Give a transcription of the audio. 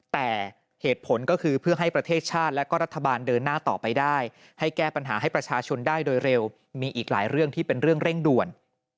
แต่เหตุผลก็คือเพื่อให้ประเทศชาติและก็รัฐบาลเดินหน้าต่อไปได้ให้แก้ปัญหาให้ประชาชนได้โดยเร็วมีอีกหลายเรื่องที่เป็นเรื่องเร่งด่วน